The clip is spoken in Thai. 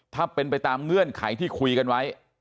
ถ้าเป็นไปตามเงื่อนไขที่คุยกันไว้